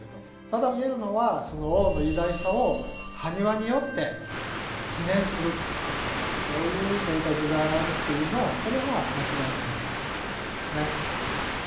ただ言えるのは王の偉大さをハニワによって記念するとそういう性格があるというのはこれは間違いないんじゃないかと思いますね。